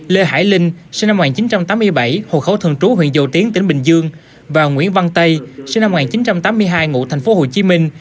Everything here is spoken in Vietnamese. lê hải linh sinh năm một nghìn chín trăm tám mươi bảy hộ khẩu thường trú huyện dầu tiến tỉnh bình dương và nguyễn văn tây sinh năm một nghìn chín trăm tám mươi hai ngụ thành phố hồ chí minh